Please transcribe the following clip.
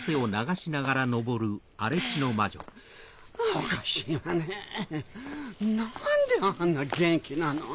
おかしいわねぇ何であんな元気なの？